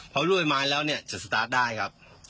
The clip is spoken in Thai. เพราะรูปใบไม้แล้วจะสตาร์ทได้ครับ